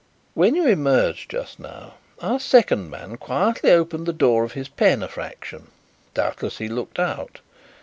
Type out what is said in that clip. "When you emerged just now our second man quietly opened the door of his pen a fraction. Doubtless he looked out.